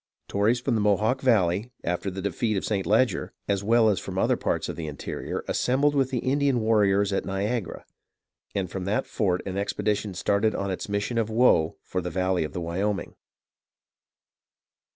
Tories from the Mohawk Val ley, after the defeat of St. Leger, as well as from other parts of the interior, assembled with the Indian warriors at Niagara ; and from that fort an expedition started on its mission of woe for the valley of the Wyoming.